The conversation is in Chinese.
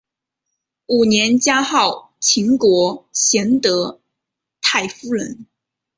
五年加号秦国贤德太夫人。